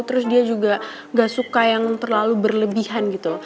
terus dia juga gak suka yang terlalu berlebihan gitu